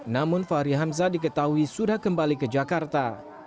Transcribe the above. namun fahri hamzah diketahui sudah kembali ke jakarta